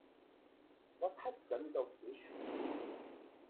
Was hat es damit auf sich?